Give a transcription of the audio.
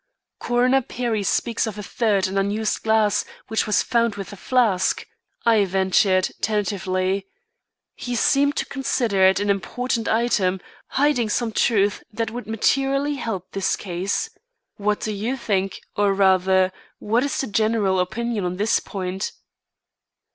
"Coroner Perry speaks of a third and unused glass which was found with the flask," I ventured, tentatively. "He seemed to consider it an important item, hiding some truth that would materially help this case. What do you think, or rather, what is the general opinion on this point?"